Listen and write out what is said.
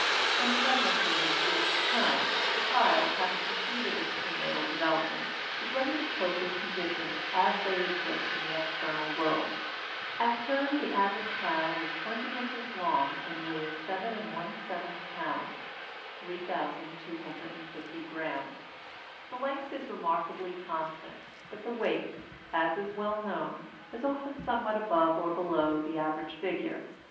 When pregnancy has reached "term," the child, having completed its prenatal development, is ready to cope with conditions as they exist in the external world. At term the average child is twenty inches long and weighs 7 1/7 pounds (3,250 grams). The length is remarkably constant; but the weight, as is well known, is often somewhat above or below the average figure.